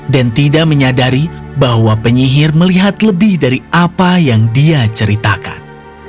tidak menyadari bahwa penyihir melihat lebih dari apa yang dia ceritakan